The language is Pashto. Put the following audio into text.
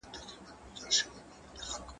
زه بايد ونې ته اوبه ورکړم،